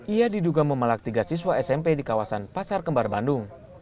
ia diduga memalak tiga siswa smp di kawasan pasar kembar bandung